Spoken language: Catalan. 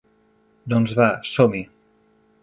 Doncs va, som-hi.